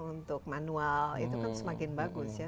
untuk manual itu kan semakin bagus ya